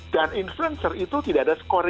dan influencer itu tidak ada skornya